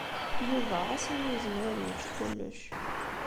Yuba ɣas ini yezmer ad yečč kullec.